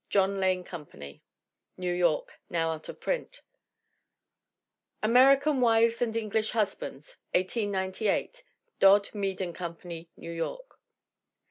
John Lane Company. New York. Now out of print. American Wives and English Husbands f 1898. Dodd, Mead & Company, New York.